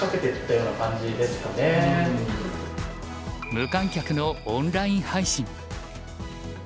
無観客のオンライン配信。